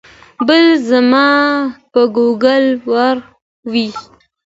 بل ځما په ګوګل اور وي